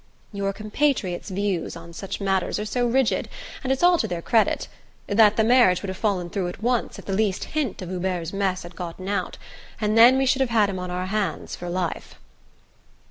"Your compatriots' views on such matters are so rigid and it's all to their credit that the marriage would have fallen through at once if the least hint of Hubert's mess had got out and then we should have had him on our hands for life."